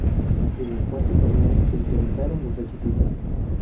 En el cuarto torneo, se incrementaron los requisitos.